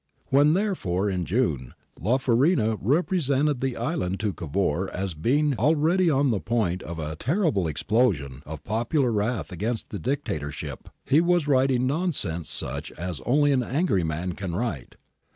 ^ When, therefore, in June, La Farina represented the island to Cavour as being already on the point of * a terrible explosion * of popular wrath against the Dictatorship, he was writing nonsense such as only an angry man can write.